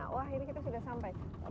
wah ini kita sudah sampai